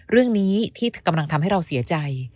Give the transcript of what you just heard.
เรื่องนี้ที่กำลังทำให้เราเสียใจ